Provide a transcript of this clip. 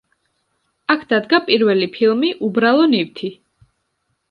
აქ დადგა პირველი ფილმი „უბრალო ნივთი“.